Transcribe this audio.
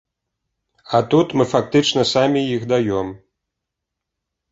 А тут мы фактычна самі іх даём.